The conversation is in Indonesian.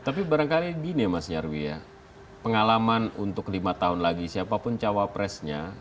tapi barangkali gini ya mas nyarwi ya pengalaman untuk lima tahun lagi siapapun cawapresnya